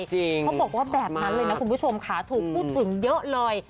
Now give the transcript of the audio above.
เขาบอกว่าแบบนั้นเลยนะคุณผู้ชมค่ะถูกพูดถึงเยอะเลย